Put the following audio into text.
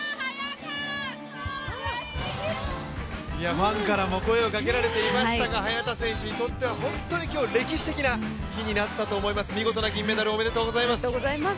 ファンからも声をかけられていましたが、早田選手にとっては本当に今日歴史的な日になったと思います、見事な銀メダルおめでとうございます。